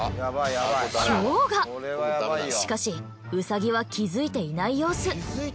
しかしウサギは気づいていない様子。